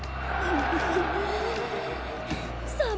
うん。